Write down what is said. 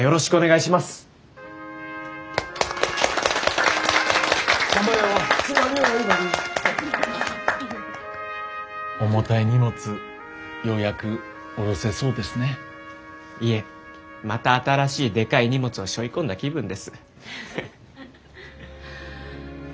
いえまた新しいでかい荷物をしょいこんだ気分です。